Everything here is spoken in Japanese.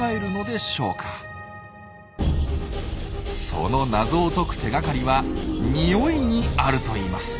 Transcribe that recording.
その謎を解く手がかりはニオイにあるといいます。